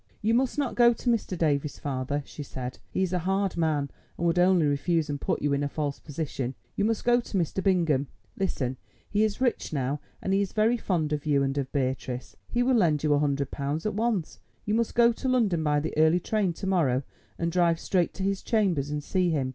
"You must not go to Mr. Davies, father," she said; "he is a hard man, and would only refuse and put you in a false position; you must go to Mr. Bingham. Listen: he is rich now, and he is very fond of you and of Beatrice. He will lend you a hundred pounds at once. You must go to London by the early train to morrow, and drive straight to his chambers and see him.